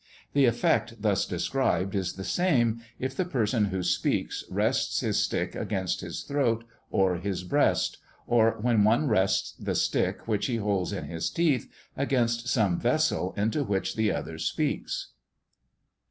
The effect thus described is the same, if the person who speaks rests his stick against his throat or his breast; or when one rests the stick which he holds in his teeth against some vessel into which the other speaks.